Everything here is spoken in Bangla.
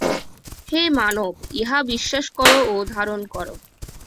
হে মানব, ইহা বিশ্বাস কর ও ধারণ কর।